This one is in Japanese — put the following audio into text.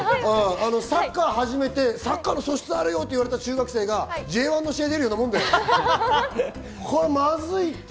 サッカー始めて、サッカーの素質あるよと言われた中学生が、Ｊ１の試合出るようなもんだよ。